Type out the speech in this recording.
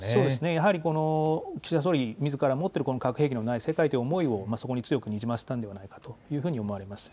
やはり岸田総理みずからも持っている核兵器のない世界という思いをそこに強くにじませたんではないかというふうに思われます。